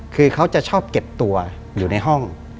คือเขาจะชอบเก็บตัวอยู่ในห้อง